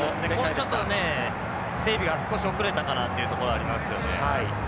もうちょっとね整備が少し遅れたかなというところがありますよね。